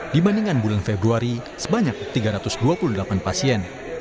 dibandingkan bulan februari sebanyak tiga ratus dua puluh delapan pasien